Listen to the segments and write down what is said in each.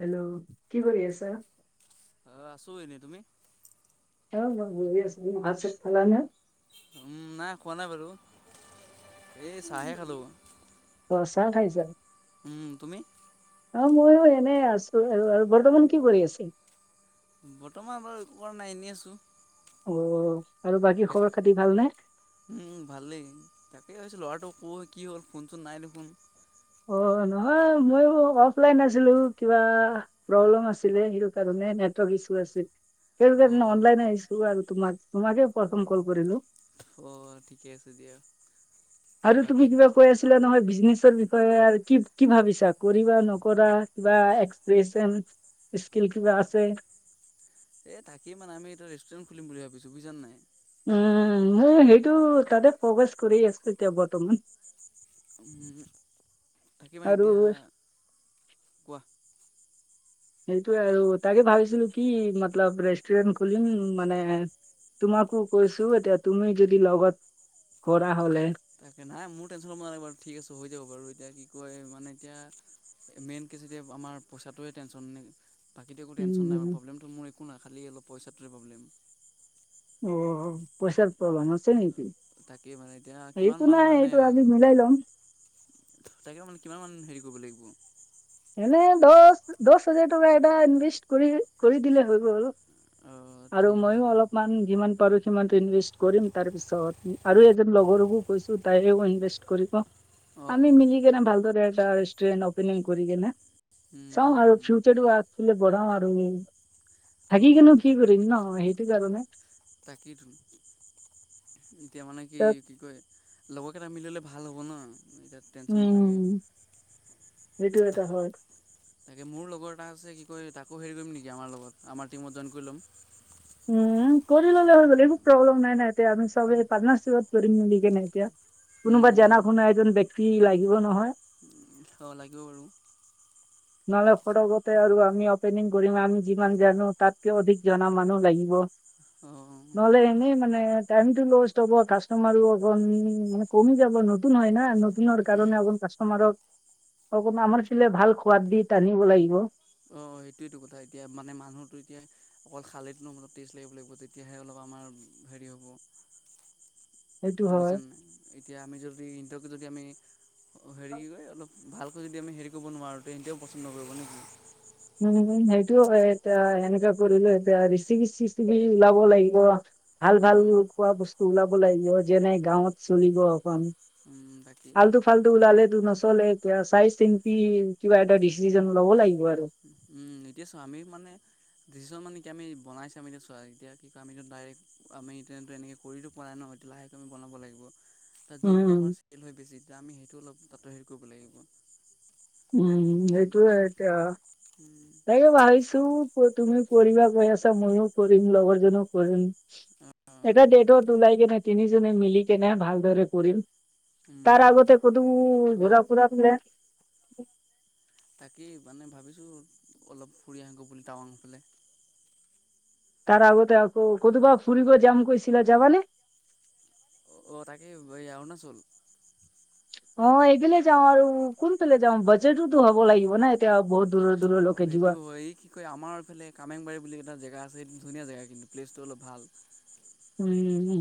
Hello, কি কৰি আছা? অ, আছো এনে, তুমি? অ', মই বহি আছোঁ, [unintelligible] ভাত চাত খালা নে? উম, নাই খোৱা নাই বাৰু, এই চাহে খালো। অ চাহ খাইছা। উম, তুমি? [unintelligible] এনে আছো আৰু, আৰু বৰ্তমান কি কৰি আছিল? বৰ্তমান বাৰু একো কৰা নাই, এনে আছো। অ'। আৰু [unintelligible] বাকী খবৰ খাতি ভালনে? উম, ভালেই তাকেই ভাবিছোঁ ল'ৰাটো অ' কি হ'ল, ফোন-চোন নাই দেখোন। অ'। নহয় মই অফলাইন আছিলো, কিবা প্ৰব্লেম আছিলে সেই কাৰণে নে [unintelligible] সেই কাৰণে অ' অনলাইন আহিছো আৰু তোমাক-তোমাকে প্ৰথম কল কৰিলো। অ', ঠিকে আছে দিয়া। আৰু তুমি বাকী কিবা কৈ আছিলা নহয় বিজনেচৰ বি [unintelligible] কি-কি ভাবিছা, কৰিবা নকৰা, কিবা এক্সপ্ৰেচন স্কিল কিবা আছে। এ তাকেই মানে আমি এতি ৰেষ্টুৰেণ্ট খুলিম বুলি ভাবিছো বুজিছা নাই। উম, মই সেইটো তাতে ফকাচ কৰি আছো এতিয়া বৰ্তমান। উম, থাকিবা আৰু এতিয়া কোৱা সেইটোয়ে আৰু তাকে ভাবিছিলো, কি মতলাব ৰেষ্টুৰেণ্ট খুলিম মানে তোমাকো কৈছো এতিয়া, তুমি যদি লগত কৰা হলে তাকে নাই মোৰ টেনশ্যন ল'ব নালাগে বাৰু ঠিক আছে হৈ যাব বাৰু এতিয়া কি কয়, মানে এতিয়া মেই [unintelligible] এতিয়া আমাৰ পইচাটোৱে টেনচন নেকি। বাকীটো একো টেনশ্যন নাই বাৰু উম, প্ৰব্লেমটো মোৰ একো নাই, খালী অলপ পইচাটোৰে প্ৰব্লেম। অ', পইচাৰ [unintelligible] আছে নেকি? তাকেই মানে এতিয়া, কিমান একো মান নাই মানে এইটো আমি মিলাই ল'ম তাকে মানে কিমান মান হেৰি কৰিব লাগিব? এনে দহ-দহ হাজাৰ টকা এটা ইনভেষ্ট কৰি কৰি দিলে হৈ গ'ল। অঁ আৰু ঠিক আছে ময়ো বাৰু অলপমান যিমান পাৰোঁ সিমানটো ইনভেষ্ট কৰিম তাৰ পিছত, আৰু এজন লগৰকো কৈছো, তাইও ইনভেষ্ট কৰিব। অঁ অঁ আমি মিলি কেনে ভালদৰে এটা ৰেষ্টুৰেণ্ট অপেনিং কৰি কেনে চাওঁ আৰু ফিউচাৰটো আগফালে বঢ়াও আৰু। থাকি অঁ কেনেও তাক কি কৰিম ন, সেইটো কাৰণে। তাকেইতো এতিয়া মানে তাত কি-কি কয়, লগৰ কেইটা মিলালে ভাল হ'ব না। উম, এতিয়া টেনশ্যন নাথাকে। উম [unintelligible] তাকে মোৰ লগৰ এটা আছে কি কয়, তাকো হেৰি কৰিম নেকি আমাৰ লগত, আমাৰ টিমত জইন কৰি ল'ম। উম কৰি ল'লে হৈ গ'ল একো প্ৰব্লেম নাই না, এতিয়া আমি চবে পাৰ্টনাৰশ্বিপত কৰিম, মিলি কেনে এতিয়া। কোনোবা জানা শুনা এজন ব্যক্তি লাগিব নহয়। অ', লাগিব বাৰু। নহ'লে ফটকতে আৰু আমি অপেনিং কৰিম, আমি যিমান জানোঁ তাতকে অধিক জনা মানুহ লাগিব। অঁ নহ'লে এনেই মানে টাইমটো লষ্ট হব কাষ্টমাৰো অকণ কমি যাব নতুন হয় না নতুন হোৱাৰ কাৰণে। কাষ্টমাৰক অক আমাৰ ফেলে ভাল সোৱাদ দি টানিব লাগিব। অ' সেইটোয়টো কথা এতিয়া মানে মানুহটো এতিয়া অকল খালেতো নহব তেষ্ট লাগিব লাগিব তেতিয়াহে অলপ আমাৰ হেৰি হ'ব। সেইটো হয় বুজিছা নাই এতিয়া আমি যদি ইহঁতক যদি আমি হেৰি গৈ অলপ ভালকৈ যদি আমি হেৰি কৰিব নোৱাৰোঁ তেন্তেও পচন্দ নকৰিব নেকি? উম-উম সেইটোও হয় এতিয়া এনেকুৱা কৰিলো এতিয়া ৰিচিকি চিচিকি ওলাব লাগিব আৰু ভাল অঁ খোৱা বস্তু ওলাব লাগিব যেনে গাঁৱত চলিব অকণ উম বাকী ফালটো-ফালটো উলালেতো নচলব চলে এতিয়া চাই চিন্তি কিবা এটা ডিচিছন ল'ব লাগিব আৰু উম এতিয়া চা আমি মানে ডিচিছন মানে কি আমি বনাইছে আমি এতিয়া চোৱা এতিয়া কি কই আমিতো ডাইৰেক্ট আমিতো এনেকে কৰিওতো পোৱা নাই ন এতি লাহেক আমি বনাব লাগিব তাত যোনটো উম আমাৰ চেল হয় বেছি তাত আমি সেইটো অলপ তাতে হেৰি কৰিব লাগিব। উম বুজিছা নাই সেইটোয়ে এতিয়া উম তাকে ভাবিছো তুমি পঢ়িবা গৈ আছা ময়ো কৰিম লগৰজনো কৰিম। অঁ এটা ডেটত ওলাই কেনে তিনি জনে মিলি কেনে ভালদৰে কৰিম। তাৰ উম আগতে অঁ ফুৰাে [unintelligible] তাকেই মানে ভাবিছোঁ অলপ ফুৰি আহিবো বুলি টাউনৰ ফালে তাৰ আগতে আকৌ কতবা ফুৰিব জাম কৈছিলা যাবা নে অ' তাকে এয়া অৰুণাচল অ' এইফালে যাওঁ আৰু কোনফালে যাওঁ বাজেটতো হ'ব লাগিব ন এতিয়া বহুত দূৰৰ অ দূৰলৈকে যোৱা। 'সেইটো হয় কি কয় আমাৰফালে কামেংবাৰী বুলি এটা জে জেগা আছে সেই ধুনীয়া জেগা কিন্তু প্লেচটো অলপ ভাল। উম-উম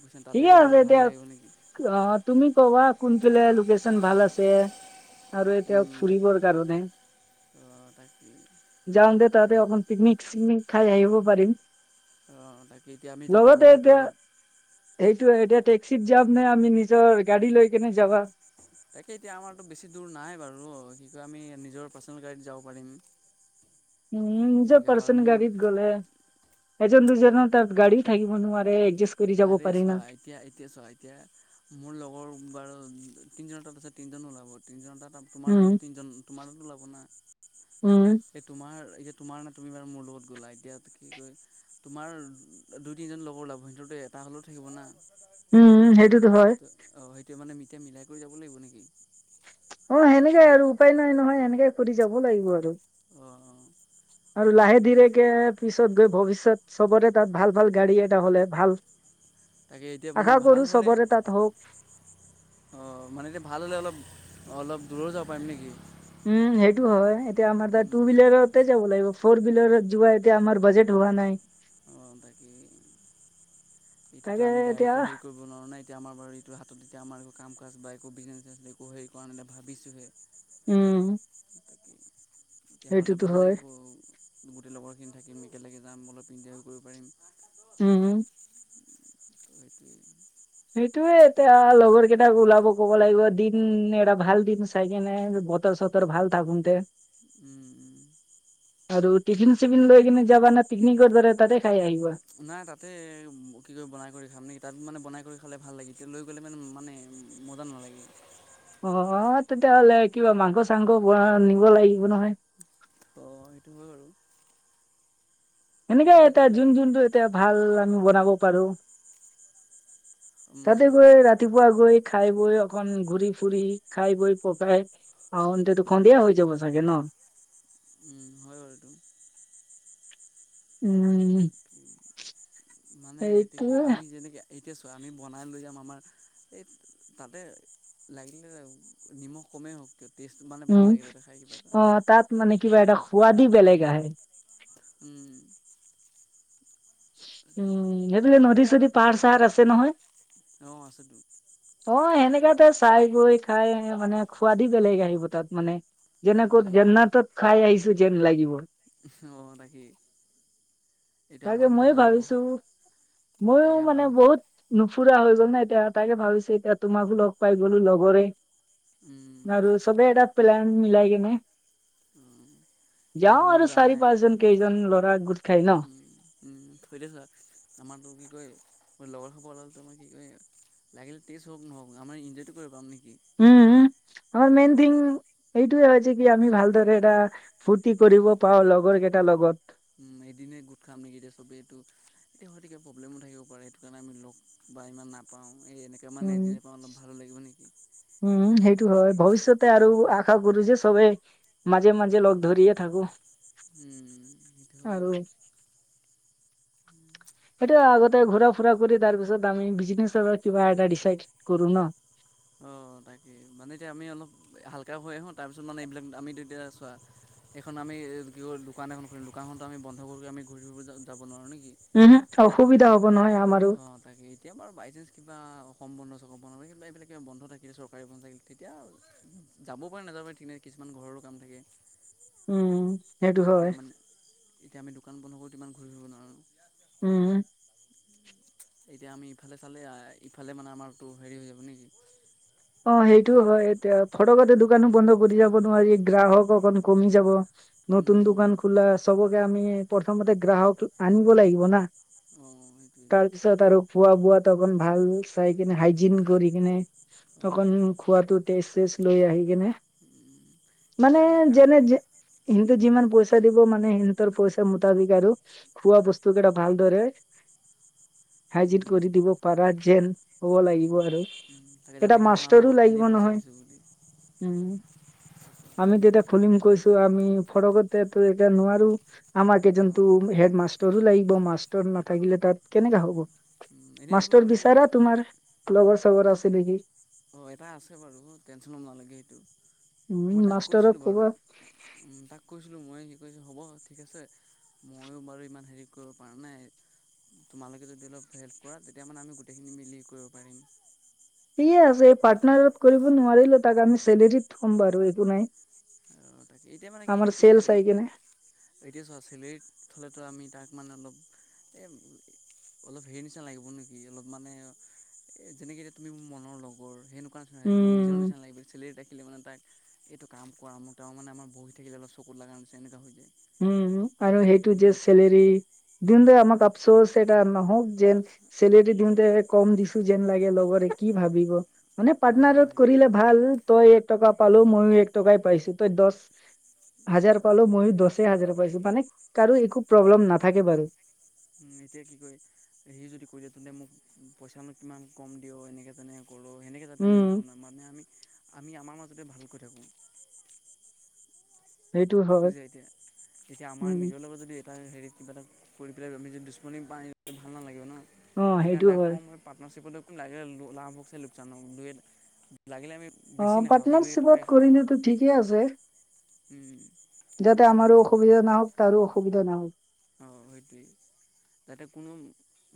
বুজিছা তাতে ঠিকে গ'লে আছে অলপ ভাল এতিয়া লাগিব নেকি অ তুমি কবা কোনফিলে লোকেশচন ভাল আছে আৰু এতিয়া উম তাকে ফুৰিবৰ কাৰণে। অঁ তাকে যাম দে ততে তাকে অ পিকনিক চিকনিক খাই খাই আহিব পাৰিম অ তাই লগতে এতিয়া সেইটো এতিয়া চিত যাম নে আমি নিজৰ গাড়ী লৈ কেনে যাবা তাকে এতিয়া আমাৰতো বেছি দূৰ নাই বাৰু কি কয় আমি নিজৰ পাৰ্চনেল গাড়ীত যাব পাৰিম উম নিজ তেনেকৈ বাৰু পাৰচন মোৰ গাড়ীত গলে এজন দুজননে তাত গা়ড়ী থাকিব নোৱাৰে কৰি যাব আৰে পাৰি না। চোৱা এতিয়া এতিয়া চোৱা এতিয়া মোৰ লগৰ বাৰু তিনিজন তাত আছে তিনিজনো ওলাব তিনিজন তাত তোমাৰ উম, তিনিজন তোমাৰ তাতো ওলাব না উম, এই তোমাৰ তোমাৰ নে তুমি বাৰু মোৰ লগত গ'লা এতিয়া কি কয় তোমাৰ দুই তিনিজন লগৰ ওলভ সিটোতো এটা হ'লেও থাকিব না উম সেইটোতো হয় ত [inaudible] অঁ সেইটোৱে মানে এতিয়া মিলাই কৰি যাব লাগিব নেকি অ' সেনেকাই আৰু উপায় নাই নহয় এনেকে কৰি যাব লাগিব আৰু অঁ অঁ আৰু লাহে সেইটোৱে ধৰেকে পি ত গৈ ভৱিষ্যত চবতে তাত ভাল ভাল গাড়ী এটা হ'লে ভাল তাকে এতিয়া মানে আশা ভাল কৰো হ'লে চবৰে তাত হওক অ মানে এতিয়া ভাল হ'লে অলপ অলপ দূৰো যাব পাৰিম নেকি উম সেইটো হয় এতিয়া আমাৰ তাৰ টু বিলাহতে যাব লাগিব ফ'ৰ বিলাহৰ যোৱা এতিয়া আমাৰ বাজেট হোৱা নাই অ' তাকী এতিটো তাকে আমি এতিয়া ডাইৰেক্ট হেৰি কৰিব নোৱাৰো ন এতিয়া আমাৰ বাৰু এইটো হাতত এতিয়া আমাৰ একো কাম কাজ বা একো বিজনেছ আে একো হেৰি কৰা নাই ভাবছোঁহে উম। তেতিয়াহ'লে সেইটোতো ভাল হয় লাগিব, গোটেই লগৰখিনি থাকিম, একেলগে যাম, অলপ ইনজয় কৰিব পাৰিম। উম। সেটোৱে। সেইটোয়ে, এতিয়া লগৰ কেইটাক ওলাব ক'ব লাগিব দিন এটা ভাল দিন চাইকেনে বতৰ চতৰ ভাল থাকোঁতে। উম, উম। আৰু টিফিন, চিফিন লৈকেনে যাবানে? পিকনিকত কৰি তাতে খাই আহিম? নাই তাতে কি কয় বনাই, কৰি খাম নেকি, তাত মানে বনাই কৰি খালে ভাল লাগে, [unintelligible] লৈ গ'লে মান-মানে মজা নালাগে। অ', তেতিয়াহ'লে কিবা মাংস, চাংস [unintelligible] নিব লাগিব নহয়। অ', সেইটো হয়, বাৰু। সেনেকে কি এতিয়া কৰি লাগে যোন, যোনটো এতিয়া ভাল আমি বনাব পাৰোঁ। তাতে গৈ ৰাতিপুৱা গৈ খাই অকন ঘূৰি, ফুৰি, খাই, বৈ পকায় [unintelligible] অ', উম, হয়, বাৰু এইটো। উম। মানে এতিয়া কি সেইটোয়ে কয় আমি যেনেকে এতিয়া চোৱা আমি বনাই লৈ যাম আমাৰ এই তাতে লাগিলে নিমখ কমেই হওঁক। উম, অ', তাত মানে কিবা এটা সোৱাদি বেলেগ আহে। উম। উম, সেইবোলে নদী চদী পাহাৰ চাহাৰ আছে নহয়। অ', আছেটো। অ', সেনেকাতে চাই গৈ খাই মানে খোৱাদি বেলেগ আহিব তাত মানে। যেনেকৈ অঁ যেন্নাতত খাই আহিছোঁ যেন লাগিব। উহ, অ', তাকেই। এইটো তাকে, আমাৰতো মই জানাই লগৰ ভাবিছো। ময়ো মানে তাকে বহুত ফুৰা হৈ গ'ল নাই, এতিয়া তাকে ভাবিছে এতিয়া তোমাকো লগ পাই গ'লো লগৰে। আৰু চবেই এটা প্লেন মিলাই কিনে এ যাওঁ তুমিতো আৰু জানাই চাৰি পাঁচ জন কেইজন লৰা গোট খাই ন [unintelligible] লাগিলে টেষ্ট হওক নহও আমাৰ ইনজয়টো কৰিব পাম ন উম উম, আমাৰ মেইন থিং এইটোয়ে হৈছে কি আমি ভালদৰে এটা ফূৰ্তি কৰিব পাওঁ লগৰ কেইটাৰ লগত। উম এদনে গোট খাম নেকি এতিয়া সবেইো এতিয়া হয়তিকে প্ৰব্লেমো থাকিব পাৰে সেইটো কাৰণে আমি লগ বা ইমান নাপাওঁ এই এনেকৈ মানে উম এদিনে পাওঁ অলপ ভালো লাগিব নেকি উম সেইটো হয় ভৱিষ্যতে আৰু আশা কৰো যে চবে মাজে মাজে লগ ধৰিয়ে থাকো উম হয় আৰু সেইটো আগতে ঘূৰা ফুৰা কৰি তাৰ পিছত আমি বিজনেচৰ কিবা এটা ডিচাইড কৰো ন অ তাকে মানে এতিয়া আমি অলপ হালকা হৈ আহো তাৰপিছত মানে এইবিলাক আমি তেতিয়া চোৱা এইখন আমি কি কৰি দোকান এখন খুলিম দোকানখনতো আমি বন্ধ কৰি আমি ঘূৰি ফৰিব যাব নোৱাৰো নি উমহু অসুবিধা হ'ব নহয় আমাৰো অঁ তাকে এতিয়া বাৰু বাইচাঞ্চ কিবা সম্বন্ধ চক বন কিন্তু এইবিলাক বন্ধ থাকিলে চৰকাৰী বন্ধ থাকিলে তেতিয়া যাবও পাৰে নাযাব পাৰে কিছুমান ঘৰৰো কাম থাকে উম, সেইটো এতিয়া হয় মানে এতিয়া আমি দোকান বন্ধ কৰোঁ ইমান ঘূৰি ফুৰিব নোৱাৰোঁ উম এতিয়া আমি ইফালে চালে ইফালে মানে আমাৰতো হেৰি হৈ যাব নেকি। অ সেইটোও ইফালে হয় এতিয়া ফটকতে দোকানো বন্ধ কৰি যাব নোৱাৰি। গ্ৰাহক অকন কমি যাব। অঁ নতুন দোকান খোলা চ'বকে আমি প্ৰথমতে গ্ৰাহক আনিব লাগিব না। অ' সেইটোৱেই। তাৰপিছত আৰু খোৱা বোৱাত অকন ভাল চাই কিনে হাইজিন কৰি কিনে অঁ অকন খোৱাটো টেষ্ট চেষ্ট লৈ আহি কিনে মানে এতিয়া আমি কা যেনে যে যিমান প'ইচা দিব মানে সিহতৰ প'ইচা মোতাবিক আৰু খোৱা বস্তু কেইটা ভালদৰে হাই'জিন কৰি দিব পাৰা যেন হ'ব লাগিব আৰু। তাকে এটা যাতে গাত মাষ্টৰো নালাগক লাগিব এনেই পইচা নহয়। দিছোঁ বুলি আমি তেতিয়া ফোন কৈছো আমি ফতকতে এতিয় নোৱাৰো আমাক কিজন অঁ তো হেডমাষ্ট ভয়ো লাগিব মাষ্টৰ নাথাকিলে তাত কেনেকা অঁ হ'ব। এনেই তোমাৰ মাষ্টৰ কি বিচাৰা। তোমাৰ লগৰ চবৰ আছে নেকি? অ এটা আছে বাৰু টেনচন ল'ব নালাগে সেইটো। উম মই তাক মাষ্টৰক কৈছিলো কবা বাৰু। উ তাক কৈছিলো মই। কৈছ হ'ব ঠিক আছে ময়ো বাৰু ইমান হেৰি কৰিব পৰা নাই তোমালোকে যদি অলপ হেল্প কৰা তেতিয়া মানে আমি গোটেইখিনি মিলি কৰিব পাৰিম। ঠিকে আছে এই পাৰ্টনাৰত কৰিব নোৱাৰিলে তাক আমি চেলেৰিত থ'ম বাৰু একো নাই। অ' তাকে এতিয়া মানে কি আমাৰ সি চেল কৈছে চাই কেনে এতিয়া চোৱা চেলাৰিত থলেতো আমি তাক মানে অলপ এই অলপ হেৰি নিচিনা লাগিব নেকি অলপ মানে এ যেনেকে এতিয়া তুমি মোৰ মনৰ লগৰ সেনে [unintelligible] মানে নিজৰ উম নিচিনা লাগিব, চলেৰী তেক এইটো কাম। প মোৰ তেওঁ মানে আমাৰ বহি থাকিলে অলপ চকুত লগা হৈছে এনেকুৱা হৈ যায়। উম, উম আৰু সেইটো যে এতিয়া চেলেৰী দিল দে, আমাক আপচোচ সেইটা নহওঁক যেন, চেলেৰী দিওঁতে কম দিছি যেন লাগে, লগৰি। কি ভাবিব? মানে, অঁ পাৰ্টনাৰত অঁ কৰিলে ভাল। তই এক টকা পালো, মইও এক টকাইয়ে পাইছোঁ। তই দচ- হাজাৰ পালো, মই দচ তে হাজিৰা পাইছোঁ, মানে কাৰো একো প্ৰব্লেম নাথাকে বাৰু। এতিয়া কি কয়, সি যদি কৈ দিয়ে তহঁতে মোক পইছা নো কিমান কম দিয়, এনেকে তেনেকে এনেকে যাতে আমি উম নুশুনো, মানে আমি আমাৰ মাজতে ভালকৈ থাকোঁ। সেইটো হয় বুজিছা এতিয়া, এতিয়া আমাৰ উম নিজৰ লগত যদি এটা হেৰি কিবা এটা কৰি পেলাই আমি যদি দুশ্মনি পা আনে ভাল নালাগিব ন' অ সেইকাৰণে সেইটো তাক হয় কম মই পাৰ্টনাৰশ্বিপত লাগিলে লো লাভ হোক চাই লোকচান হ'ক দুয়েট অ', পাৰ্টনাৰশ্বিপত কৰিলেতো ঠিকে আছে। উম। যাতে আমাৰো অসুবিধা নাহক তাৰো অসুবিধা নাহক। অ', সেইটোৱেই যাতে কোনো